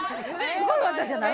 すごい技じゃない？